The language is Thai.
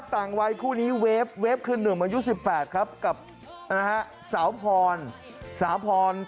ฟังคู่รักกันไว้แกล้ง